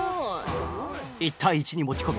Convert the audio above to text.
１対１に持ち込み